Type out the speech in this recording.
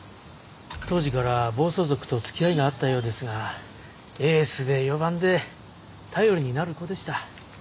当時から暴走族とつきあいがあったようですがエースで４番で頼りになる子でした。